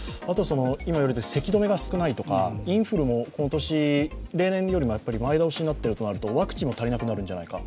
今、いわれている、せき止めが少ないとか、インフルもこの年、例年よりも前倒しになってるとなるとワクチンも足りなくなるんじゃないか。